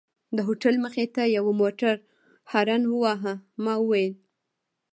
د هوټل مخې ته یوه موټر هارن وواهه، ما وویل.